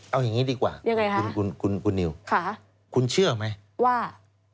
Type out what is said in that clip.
เอาอย่างนี้ดีกว่าคุณนิวคุณเชื่อไหมว่า